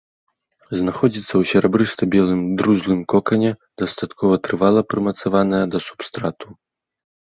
Знаходзіцца ў серабрыста-белым друзлым кокане, дастаткова трывала прымацаваная да субстрату.